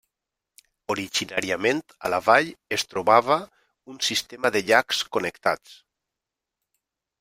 Originàriament, a la vall es trobava un sistema de llacs connectats.